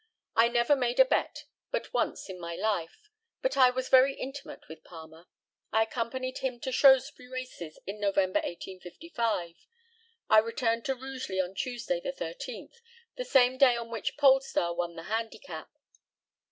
I never made a bet but once in my life; but I was very intimate with Palmer. I accompanied him to Shrewsbury Races in November, 1855. I returned to Rugeley on Tuesday, the 13th, the same day on which Polestar won the handicap.